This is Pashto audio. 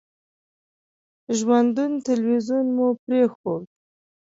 ژوندون تلویزیون مو پرېښود.